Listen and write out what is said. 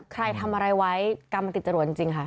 ใครทำอะไรไว้กรรมมันติดจรวดจริงค่ะ